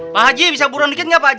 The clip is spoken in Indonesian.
pak g bisa buruan dikit nggak pak g